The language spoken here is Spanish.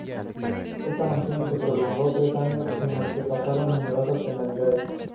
Esta misión se prolongó tres años en los que pasaron numerosas penalidades.